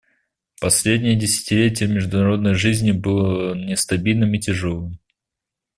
Последнее десятилетие в международной жизни было нестабильным и тяжелым.